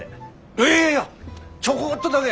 いやいやいやちょこっとだげ